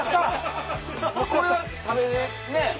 これは食べれんね？